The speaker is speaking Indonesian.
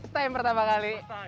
time pertama kali